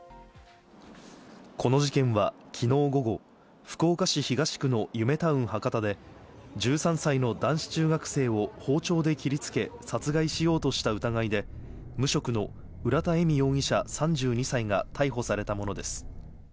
この事件は昨日午後、福岡市東区のゆめタウン博多で１３歳の男子中学生を包丁で切りつけ、殺害しようとした疑いで、無職の浦田恵美容疑者、３２歳が逮捕されたものです。